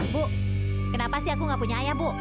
bu kenapa aku tidak punya ayah